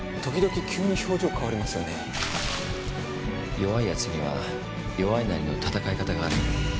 「弱いやつには弱いなりの戦い方がある」